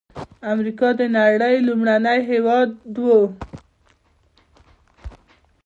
امریکا د نړۍ لومړنی هېواد و.